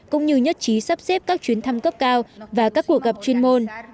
cũng như nhất trí sắp xếp các chuyến thăm cấp cao và các cuộc gặp chuyên môn